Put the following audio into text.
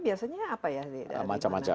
biasanya apa ya macam macam